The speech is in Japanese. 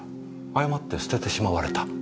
誤って捨ててしまわれた？